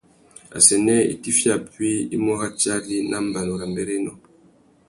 Assênē itifiya puï i mú ratiari nà mbanu râ mbérénô.